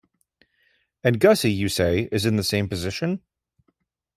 And Gussie, you say, is in the same position?